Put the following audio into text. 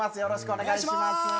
よろしくお願いします。